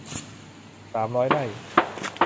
สามร้อยไร่